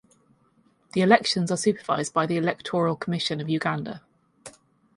The elections are supervised by the Electoral Commission of Uganda.